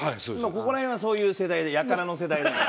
ここら辺はそういう世代で輩の世代なんで。